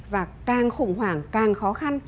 và càng khủng hoảng càng khó khăn